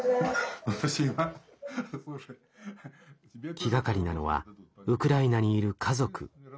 気がかりなのはウクライナにいる家族。